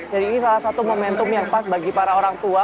jadi ini salah satu momentum yang pas bagi para orang tua